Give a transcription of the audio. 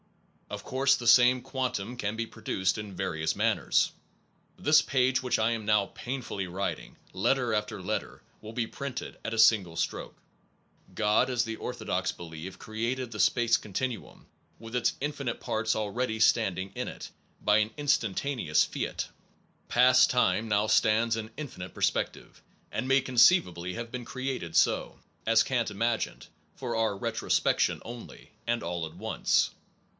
Of course the same quantum can be produced in various manners. This page which I am now painfully writing, letter after letter, will be printed at a single stroke. God, as the orthodox believe, created the space continuum, with its infinite parts already standing in it, by an instantaneous fiat. Past time now stands in infinite perspective, and may conceivably have been created so, as Kant imagined, for our retrospection only, and all at once.